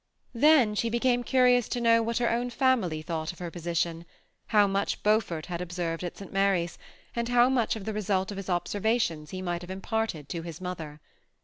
Then she became curious to know what her own family thought of her position ; how much Beaufort had observed at St Mary's, and how much of the result of his observa tions he might have imparted to his mother.